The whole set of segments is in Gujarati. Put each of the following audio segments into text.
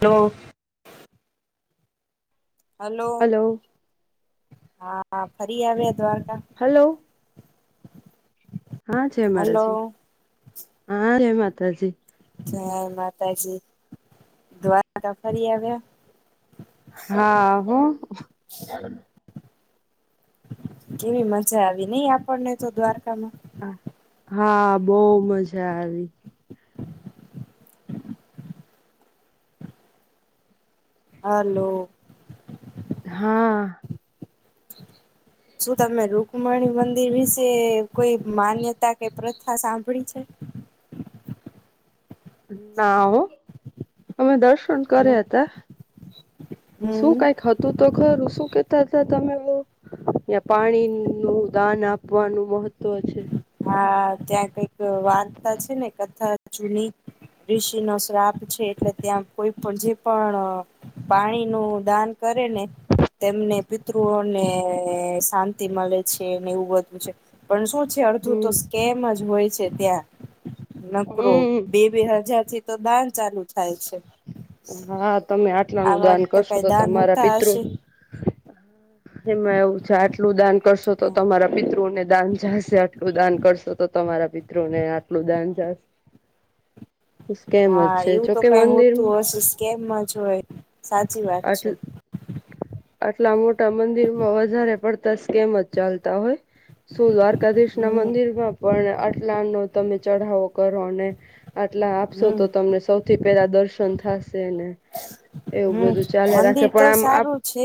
હલો હલો હા ફરી આવ્યા દ્વારકા હલો હા છે હલો મારાજી હા જ માતાજી. જય માતાજી દ્વારા ફરી આવ્યા? હા હ કેવી મજા આવી નઈ આપણને તો દ્વારકામાં હા બહ મજા આવી હાલો હા શું તમે રુકમણી મંદિર વિશે કોઈ માન્યતા કે પ્રથા સાંભળી છે હ ના હો અમે દર્શ કર્યા હતા શું હમ કઈક હતું તો ઘરું શું કેતા હતા તમે પાણી નું દાન આપવાનું મહત્વ છે હા ત્યાં કઈક વાર્તા છે ને કથા જૂની ઋષિ નો શ્રાપ છે એટલે ત્યાં કોઈ પણ જે પણ પાણી નું દાન કરે ને તેમને પિતૃઓ ને શાંતિ મળે છે ને એવું વધું છે પણ શું અડધું તો હમ સ્કેમ જ હોય છે ત્યાં નકરો હમ બે બે હજારથી તો દાન ચાલુ છે થાય હા તમે આટલા આ નું વાત દાન કરશો કઈ તો દાન તમારા હોતા પિતૃ હશે એમાં એવું છે આટલું દાન કરશો તો તમારા પિતૃને દાન જશે આટલું દાન કરશો તો તમારા પિત્રો ને આટલું દાન જાશે કેમ જ છે જોકે મંદિર તું હશ સ્કેમમાં જોય સાચી વાત આટ છે આટલા મોટા મંદિર માં વધારે પડતા સ્કેમ જ ચાલતા હોય શું દ્વારકાધીશ ના હમ મંદિર માં પણ લા નો તમે ચઢાવો કરો ને આટલા આપશો હમ તો તમને સૌથી પેલા દર્શન થશે ને એવું હમ બધું ચાલે રાખે મંદિર તો પણ આમ આપ સારું છે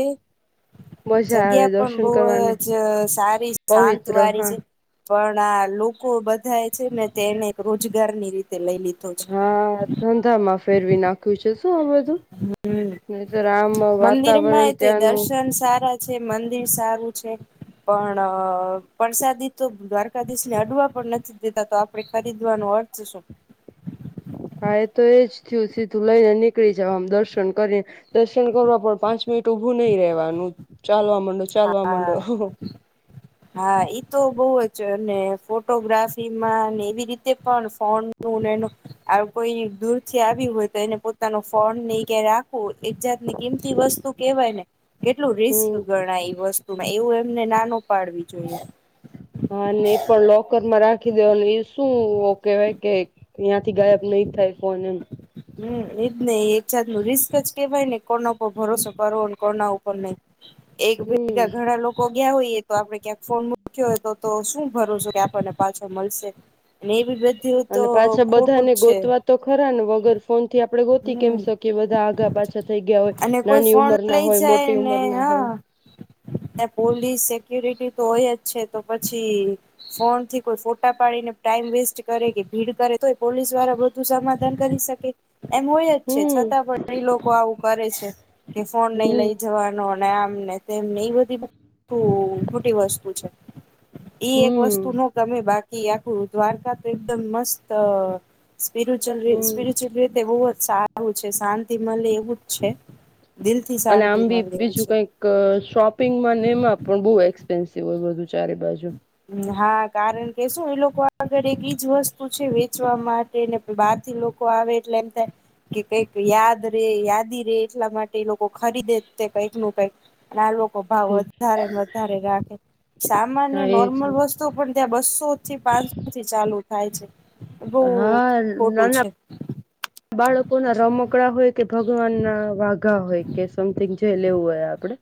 મજા આવે જગ્યા પણ દર્શન બહુ કરવાની જ સારી શાંત પવિત્ર વાળી હા છે પણ આ લોકો બધાય છે ને તે એને રોજગારની રીતે લઈ લીધો છે હા ધંધામાં ફેરવી નાખ્યું છે શું આ બધું નહીતર આમ હમ વાતાવરણ મંદિરમાં તે ત્યાંનું દર્શન સારા છે, મંદિર સારું છે. પણ પસાદી તો દ્વારકાધીશ ને અડવા પણ નથી દેતા તો આપડે ખરીદવાનું પાંચસું હા એ તો એજ થયું સીધું લઈને નીકળી જવા આમ દર્શન કરીને દર્શન કરવા પણ પાંચ મિનિટ ઉપ ઉભુ નહીવાનું ચાલવા માંડો ચાલવા હા માંડો હા ઈતો બઉ જ અને ફોટોગ્રાફીમાં ને એવી રીતે પણ ફોનું એનું આવું કોઈ દૂર થી આવી હોય તો એને પોતાનો ફોન ઈ ક્યાં રાખ ફોન એક જાત ની કિંમતી વસ્તુ કેવાય ને કેટલું રિસ્ક હમ ગણાય વસ્તુ માં એવું એમને નાનુ હ અને એ પણ લોકરમાં રાખ રાખી દેવા એ શું કહેવાય કે ત્યાં થી ગાયબ નય થાય ફોન એમ હમ્મ એજ ને એક જાત નું રિસ્ક જ કેવાય ને કોનો પર ભરોસો કરવો કોના ઉપર નઈ એક હમ ભેગા ઘણા લોકો ગયા હોઈએ તો આપણે ક્યાંક ફોન મૂક્યો હોય તો તો શું ભરોસો કે આપણને પાછો મલશે ને એવી બધું તો અને પાછા બધા ખોટું ને જ છે ગોતવા તો ખરા ને વગર ફોન થી આપડે ગોતી કેમ હમ શકીએ બધા આગા પાછા થઈ ગયા હોય નાની ઉંમર ના હોય મોટી ત્યાં ને ઉંમર ના હોય હા પોલીસ એક સિક્યોરિટી તો હોય જ છે, તો પછી ફોનથી કોઈ ફોટા પાડીને ટાઈમ વેસ્ટ કરે કે ભીડ કરે તોઈ પોલીસ વારા બધું સા ધન કરી શકે એમ હોય જ છે, હમ છતાં પણ એ લોકો આવું કરે છે, કે ફોન નઈ હમ લઈ જવાનો ને આમને તેમને એ બધી ખોટી વસ્તુ છે. ઈ હમ એક વસ્તુ નો તમે બાકી કી આખું દ્વારકા તો એકદમ મસ્ત સ્પિરચુલ હમ સ્પિરચુલ રીતે બો સારું છે શાંતિ મલે એવું જ છે દિલ થી અને શાંતિ આમ બી મળે એવું બીજું છે કઈક શોપિંગ માં ને એમાં પણ બો એ ટેન સીવુ ચારે બાજુ હા કારણ કે શું એ લોકો આગળ એક ઈજ વસ્તુ છે વેચવા માટે ને બહાર થી લોક કો આવે એટલે એમ થાય કે કઈક યાદ રે યાદી રે એટલા માટે લોકો ખરીદે તે કંઈક નું કઈક અને આ લોક કો ભાવ વધારે ને વધારે રાખે સામાન્ય હા એ નો છે વસ્તુ પણ ત્યાં બસો થી પાંચસોથી ચાલુ થાય છે બો હા ખોટું નાના છે બાળકો ના રમકડા હોય કે ભગવાન ના વાઘ ઘા હોય કે સમથિંગ જે લેવું હોય આપડે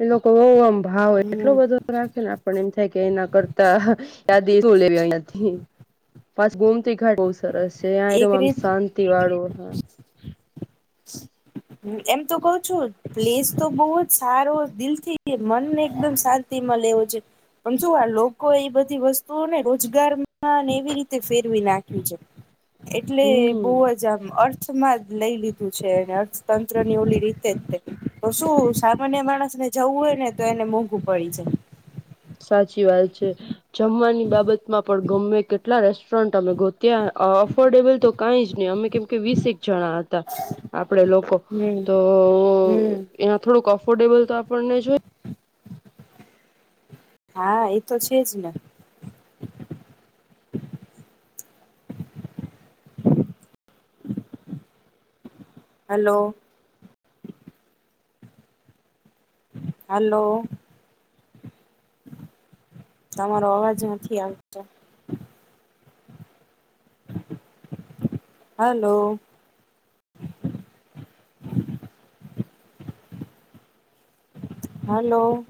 એ લોકો વો આમ ભાવ એટલો હમ બધો રાખે ને આપને એમ થાય કે એના કરતા યાદી શું લેવી અયાથી [inaudible] પાસ ગોમતી ઘાટ બો સરસ છે એક યા એમ રીત સરસ ઓ હા એમ તો કઉ છું પ્લેસ તો બઉ જ સારો દિલથી મનને એકદમ શાંતિમલે એવો છે પણ જો આ લોકો એ બધી વસ્તુઓને રોજગારમાં એવી રીતે ફેરવી નાખી છે એટલે બો હમ જ આમ અર્થમાં જ લઈ લી છે અર્થતંત્રની ઓલી રીતે જ છે તો શું સામાન્ય માણસ ને જવું હોય ને તો એમ ને મોંઘું પડી જાય સાચી વાત છે જમવાની બાબતમાં પણ ગમે કેટલા રેસ્ટોરન્ટ અમે ગોત ત્યાં અફોર્ડેબલ તો કાઈ જ ની અમે કેમ કે વીસેક જણા હતા આપડે લોકો હમ તો હમ ત્યાં થોડુંક અફોર્ડેબલ તો આપણને જોય હા એતો છે, જ ને [inaudible] હાલો. હાલો. તમારો અવાજ નથી આવતો હાલો. [inaudible] હાલો.